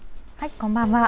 こんばんは。